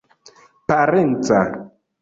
parenca